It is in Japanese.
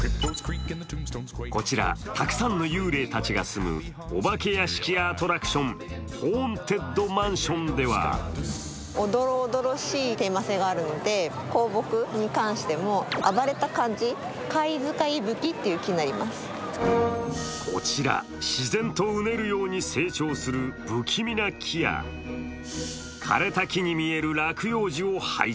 こちら、たくさんの幽霊たちが住むお化け屋敷アトラクション、ホーンテッドマンションではこちら自然とうねるように成長する不気味な木や枯れた木に見える落葉樹を配置。